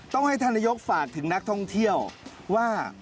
ต้องให้ท่านนายกฝากถึงนักท่องเที่ยวว่า